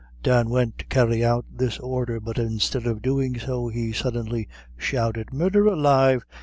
Dan went to carry out this order, but instead of doing so he suddenly shouted: "Murdher alive!